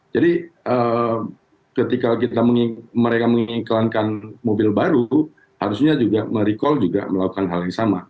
jadi ketika mereka mengiklankan mobil baru harusnya juga merecall juga melakukan hal yang sama